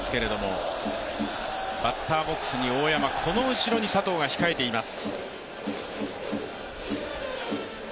バッターボックスに大山、この後ろに佐藤が控えています。